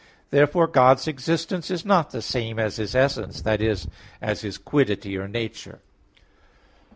Therefore God's existence is not the same as His essence that is, as His quiddity or nature.